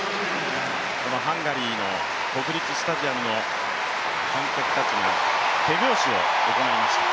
ハンガリーの国立スタジアムの観客たちが手拍子を行いました。